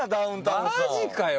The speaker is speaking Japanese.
マジかよ！